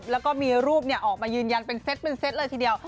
แล้วก็มีรูปออกมายืนยันเป็นเซตเลยทีเดียว